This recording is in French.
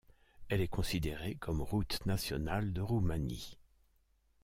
Elle est considérée comme route nationale de Roumanie.